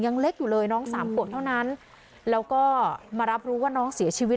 ยังเล็กอยู่เลยน้องสามขวบเท่านั้นแล้วก็มารับรู้ว่าน้องเสียชีวิต